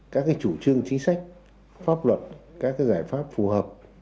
các chủ trương chính sách pháp luật các giải pháp phù hợp